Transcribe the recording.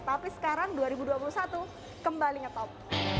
tapi sekarang dua ribu dua puluh satu kembali ngetop